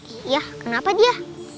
iya kenapa dia